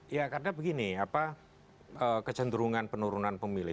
ya karena begini kecenderungan penurunan pemilih